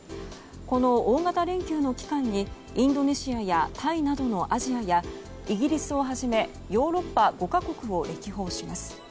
この大型連休の期間にインドネシアやタイなどのアジアや、イギリスをはじめヨーロッパ５か国を歴訪します。